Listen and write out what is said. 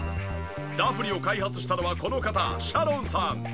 ダフニを開発したのはこの方シャロンさん。